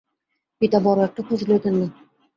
পিতা বড় একটা খোঁজ লইতেন না।